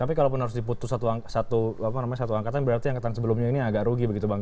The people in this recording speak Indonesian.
tapi kalaupun harus diputus satu angkatan berarti angkatan sebelumnya ini agak rugi begitu bang